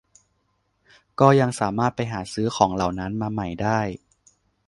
ก็ยังสามารถไปหาซื้อของเหล่านั้นมาใหม่ได้